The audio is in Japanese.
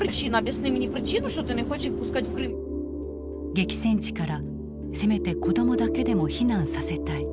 激戦地からせめて子どもだけでも避難させたい。